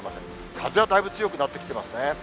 風はだいぶ強くなってきてますね。